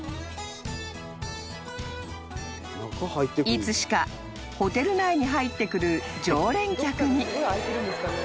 ［いつしかホテル内に入ってくる常連客に］